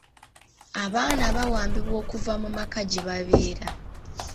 Abaana bawambibwa okuva mu maka gye babeera.